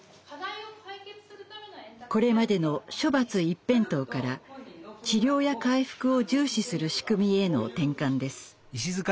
これまでの処罰一辺倒から治療や回復を重視する仕組みへの転換です。